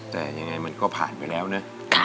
แต่ยังไงมันก็ผ่านไปแล้วนะ